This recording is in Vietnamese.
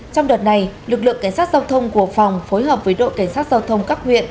trong đợt này lực lượng cảnh sát giao thông của phòng phối hợp với đội cảnh sát giao thông các huyện